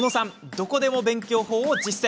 どこでも勉強法を実践！